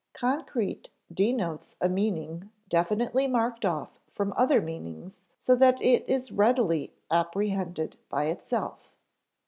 Concrete denotes a meaning definitely marked off from other meanings so that it is readily apprehended by itself.